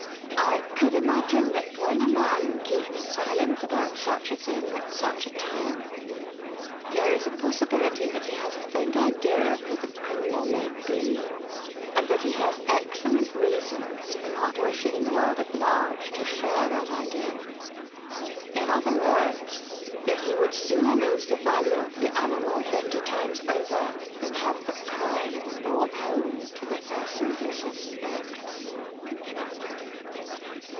I could imagine that when a man keeps silent about such a thing at such a time there is a possibility that he has a faint idea of who the criminal may be and that he has excellent reasons for not wishing the world at large to share that idea. In other words, that he would sooner lose the value of the animal fifty times over than have the crime brought home to the person he suspects."